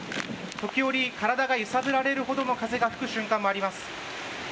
時折、体が揺さぶられるほどの風が吹く瞬間もあります。